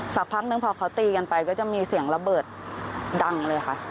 สักพักนึงพอเขาตีกันไปก็จะมีเสียงระเบิดดังเลยค่ะ